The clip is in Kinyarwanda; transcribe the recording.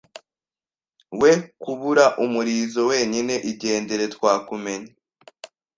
we kubura umurizo wenyine Igendere twakumenye